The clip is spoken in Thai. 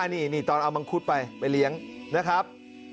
นี่ตอนเอามังคุดไปไปเลี้ยงนะครับ